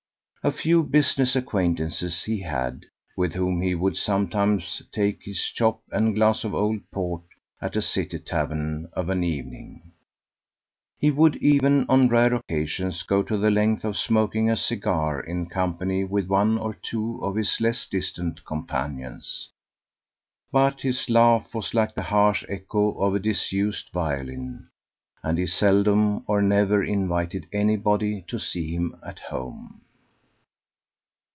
A few business acquaintances he had, with whom he would sometimes take his chop and glass of old port at a city tavern of an evening; he would even, on rare occasions, go the length of smoking a cigar in company with one or two of his less distant companions; but his laugh was like the harsh echo of a disused violin, and he seldom or never invited anybody to see him at home.